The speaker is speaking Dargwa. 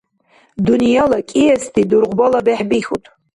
Дунъяла кӀиэсти дургъбала бехӀбихьуд.